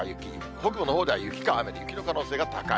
北部のほうでは雪か雨で、雪の可能性が高い。